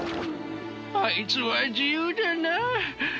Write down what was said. あいつは自由だなあ。